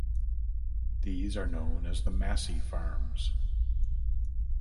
These are known as the Massey Farms.